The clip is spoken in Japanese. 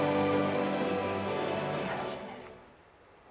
楽しみです。